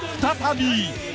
再び］